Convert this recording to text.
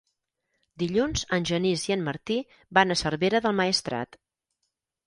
Dilluns en Genís i en Martí van a Cervera del Maestrat.